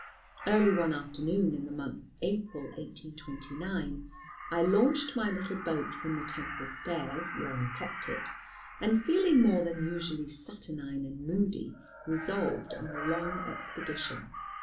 "Early one afternoon in the month of April, 1829, I launched my little boat from the Temple stairs, where I kept it, and feeling more than usually saturnine and moody, resolved on a long expedition.